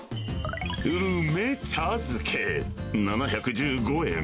梅茶漬け７１５円。